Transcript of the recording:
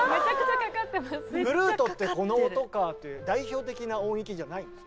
「フルートってこの音か」という代表的な音域じゃないんです。